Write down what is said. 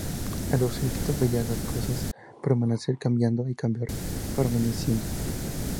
Heráclito veía a las cosas permanecer cambiando y cambiar permaneciendo.